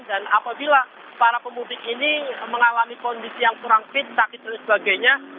dan apabila para pemudik ini mengalami kondisi yang kurang fit sakit dan sebagainya